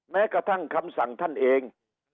แม้กระทั่งคำสั่งท่านเอง